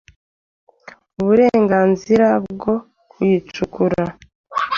uburenganzira bwo kuyicukura